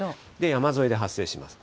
山沿いで発生します。